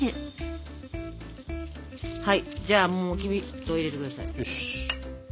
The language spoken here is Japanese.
はいじゃあもうきび糖入れてください。